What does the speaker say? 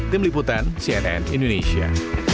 tim liputan cnn indonesia